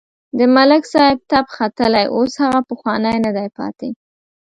د ملک صاحب تپ ختلی اوس هغه پخوانی نه دی پاتې.